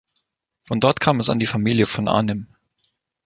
Von dort kam es an die Familie von Arnim.